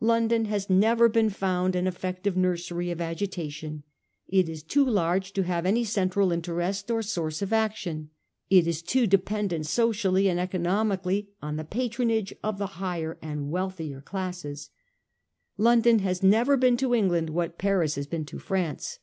Lon don has never been found an effective nursery of agitation. It is too large to have any central interest or source of action. It is too dependent socially and economically on the patronage of the higher and wealthier classes. London has never been to Eng land what Paris has been to France.